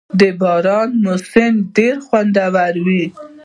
• د باران موسم ډېر خوندور وي.